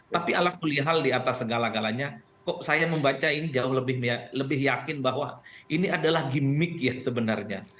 tapi ala kulihal di atas segala galanya kok saya membaca ini jauh lebih yakin bahwa ini adalah gimmick ya sebenarnya